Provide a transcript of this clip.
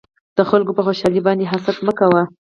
د خلکو په خوشحالۍ باندې حسد مکوئ